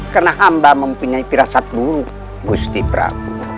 karena hamba mempunyai firasat buruk gusti prapu